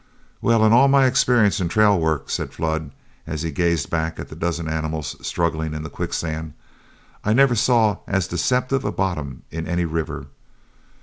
"Well, in all my experience in trail work," said Flood, as he gazed back at the dozen animals struggling in the quicksand, "I never saw as deceptive a bottom in any river.